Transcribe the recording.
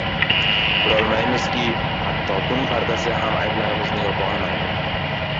Bilolmaymizki, hatto tun pardasi ham ayblarimizni yopa olmaydi.